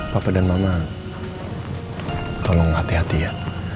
bapak dan mama tolong hati hati ya